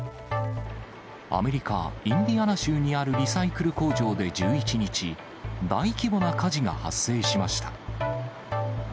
アメリカ・インディアナ州にあるリサイクル工場で１１日、大規模な火事が発生しました。